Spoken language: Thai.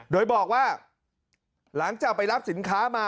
โดยบอกว่าหลังจากไปรับสินค้ามา